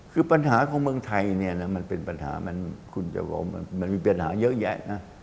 คือปัญหาของเมืองไทยเนี่ยนะมันเป็นปัญหามันคุณจะบอกว่ามันมีปัญหาเยอะแยะนะ